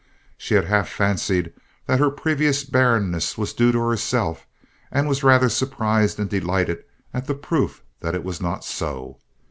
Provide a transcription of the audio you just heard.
She had half fancied that her previous barrenness was due to herself, and was rather surprised and delighted at the proof that it was not so.